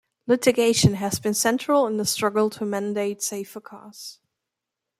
Litigation has been central in the struggle to mandate safer cars.